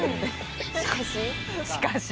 しかし。